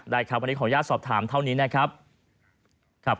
ได้ครับวันนี้ขออนุญาตสอบถามเท่านี้นะครับ